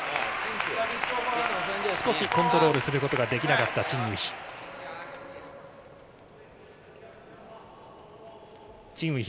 少しコントロールすることができなかったチン・ウヒ。